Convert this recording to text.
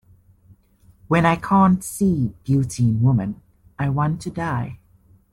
When I can't see beauty in woman I want to die.